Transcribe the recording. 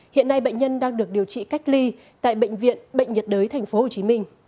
hiện nay bệnh nhân đang được điều trị cách ly tại bệnh viện bệnh nhiệt đới tp hcm